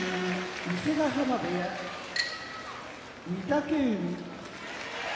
伊勢ヶ濱部屋御嶽海